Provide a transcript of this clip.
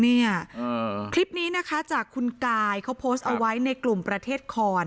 เนี่ยคลิปนี้นะคะจากคุณกายเขาโพสต์เอาไว้ในกลุ่มประเทศคอน